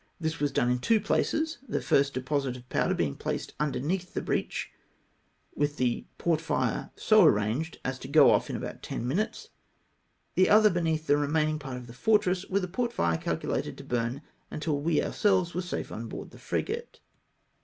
This was done in two places ; the first deposit of powder being placed underneath the breach, with the portfire so arranged, as to go off in about ten minutes ; the other beneath the remain ing part of the fortress, with a portfire calculated to burn until we ourselves were safe on board the frio; ate.